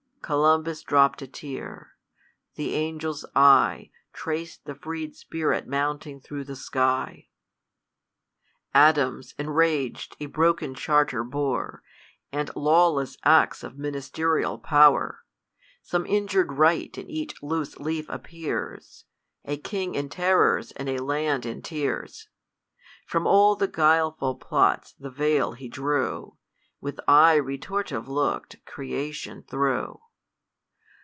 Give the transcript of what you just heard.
I Columbus dropp'd a tear. The angel's eye Trac'd the freed spirit mounting through the sky< Adams, enrag'd, a broken charter bore, And lawless acts of ministerial power; Some injur'd right in each loose leaf appear^, A king in terrors and a land in tears ; From all the guileful plots the veil he drew. With eye retortive look'd cv^ ^^hii thro'iojb ; Opi THE COLUMBIAN ORATOR.